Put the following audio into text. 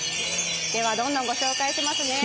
では、どんどんご紹介しますね。